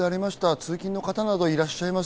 通勤の方などがいらっしゃいます。